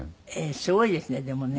すごいですねでもね。